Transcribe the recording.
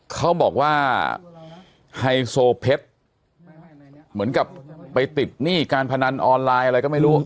เขาบอกว่าไฮโซเพชรเหมือนกับไปติดหนี้การพนันออนไลน์อะไรก็ไม่รู้